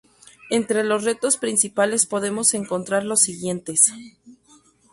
Entre los retos principales podemos encontrar los siguientes.